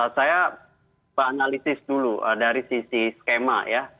saya menganalisis dulu dari sisi skema